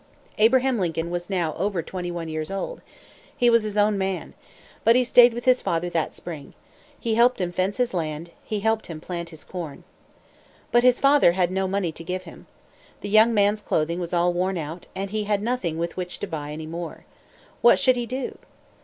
Abraham Lincoln was now over twenty one years old. He was his own man. But he stayed with his father that spring. He helped him fence his land; he helped him plant his corn. But his father had no money to give him. The young man's clothing was all worn out, and he had nothing with which to buy any more. What should he do?